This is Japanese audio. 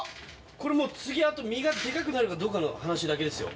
これもう次あと実がデカくなるかどうかの話だけですよ。